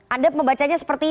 anda membacanya seperti